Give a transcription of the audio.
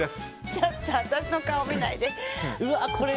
ちょっと私の顔見ないで。